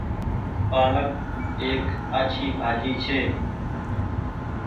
پآلڪ ايڪ آڇي ڀآڃي ڇي۔